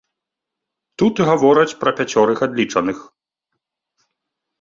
Тут гавораць пра пяцёрых адлічаных.